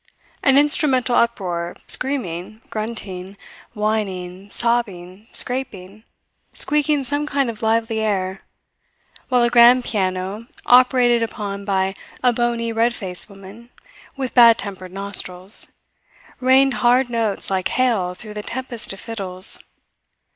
An instrumental uproar, screaming, grunting, whining, sobbing, scraping, squeaking some kind of lively air; while a grand piano, operated upon by a bony, red faced woman with bad tempered nostrils, rained hard notes like hail through the tempest of fiddles.